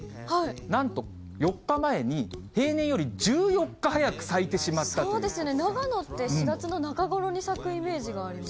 なんと、４日前に平年より１４日早く咲いてしまったということでそうですよね、長野って、４月の中ごろに咲くイメージがあります。